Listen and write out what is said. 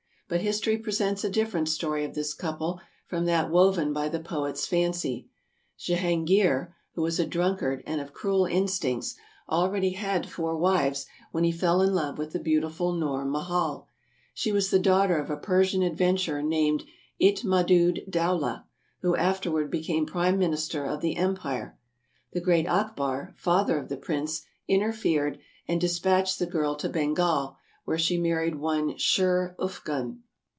But history presents a different story of this couple from that woven by the poet's fancy. Jehangeer, who was a drunkard and of cruel in stincts, already had four wives when he fell in love with the beautiful Noor Mahal. She was the daughter of a Persian adventurer named Itmadood Dowlah, who afterward be came prime minister of the empire. The great Akbar, father of the prince, interfered and dispatched the girl to Bengal, where she married one Sher Ufgun.